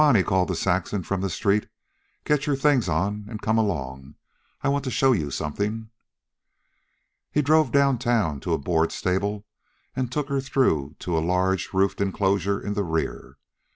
he called to Saxon from the street. "Get your things on an' come along. I want to show you something." He drove down town to a board stable, and took her through to a large, roofed inclosure in the rear.